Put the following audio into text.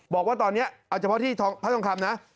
บอกว่าตอนนี้เอาเฉพาะที่พระทองคำนะ